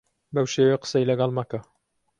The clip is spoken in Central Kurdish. بەو شێوەیە قسەی لەگەڵ مەکە.